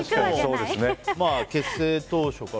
結成当初から。